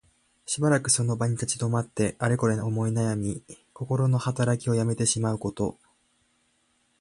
しばらくの間その場に立ち止まって、あれこれ思いなやみ、こころのはたらきをやめてしまうこと。